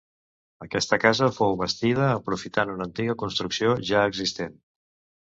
Aquesta casa fou bastida aprofitant una antiga construcció ja existent.